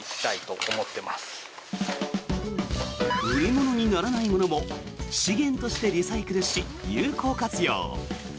売り物にならないものも資源としてリサイクルし有効活用。